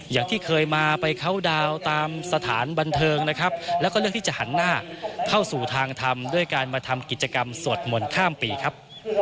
อย่างที่เคยมาไปเข้าดาวน์ตามสถานบันเทิงนะครับแล้วก็เลือกที่จะหันหน้าเข้าสู่ทางทำด้วยการมาทำกิจกรรมสวดมนต์ข้ามปีครับ